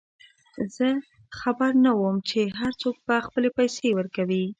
زه خبر نه وم چې هرڅوک به خپلې پیسې ورکوي.